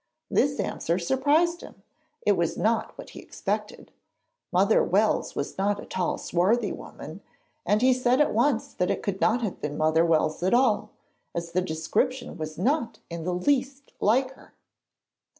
This answer surprised him; it was not what he expected. Mother Wells was not a tall, swarthy woman, and he said at once that it could not have been Mother Wells at all, as the description was not in the least like her.